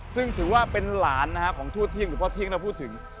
ซึ่งถือว่าเป็นหลานของทั่วเที่ยงหรือพ่อเที่ยงเราพูดถึง